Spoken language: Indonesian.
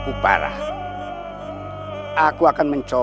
aku sedang melakukannya